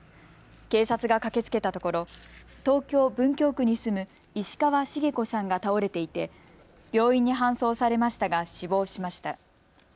警察が駆けつけたところ東京文京区に住む石河茂子さんが倒れていて病院に搬送されましたが死亡しました。